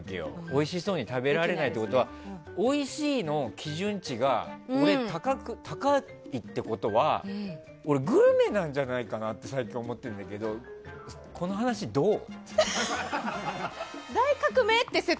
おいしそうに食べられないってことはおいしいの基準値が俺、高いってことは俺、グルメなんじゃないかなって最近、思っているんだけどこの話どう？